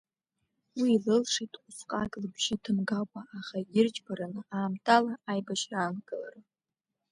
Уи илылшеит усҟак лыбжьы ҭымгакәа аха ирџьбараны аамҭала аибашьра аанкылара.